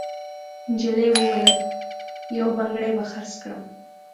نجلۍ وویل: «یو بنګړی به خرڅ کړم.»